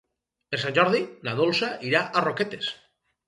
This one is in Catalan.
Per Sant Jordi na Dolça irà a Roquetes.